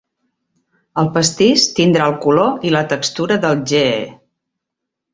El pastís tindrà el color i la textura del "ghee".